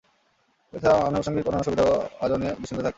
এ ছাড়া আনুষঙ্গিক অন্যান্য সুবিধা ও আয়োজন নিয়ে দুশ্চিন্তায় থাকতে হয়।